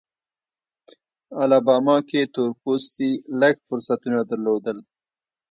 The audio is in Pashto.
الاباما کې تور پوستي لږ فرصتونه درلودل.